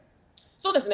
そうですね。